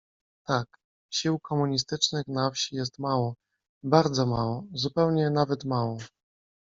"Tak, sił komunistycznych na wsi jest mało, bardzo mało, zupełnie nawet mało."